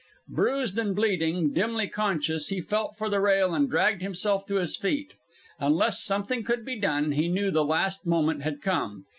Bruised and bleeding, dimly conscious, he felt for the rail and dragged himself to his feet. Unless something could be done, he knew the last moment had come.